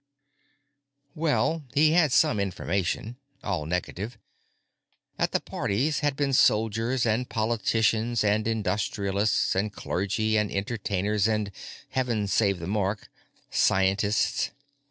Well, he had some information. All negative. At the parties had been soldiers and politicians and industrialists and clergy and entertainers and, heaven save the mark, scientists.